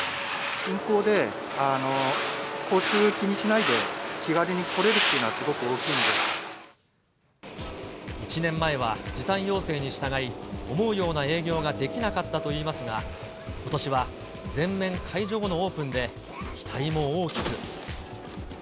近郊で交通気にしないで気軽に来れるっていうのはすごく大きいで１年前は時短要請に従い、思うような営業ができなかったといいますが、ことしは全面解除後のオープンで、期待も大きく。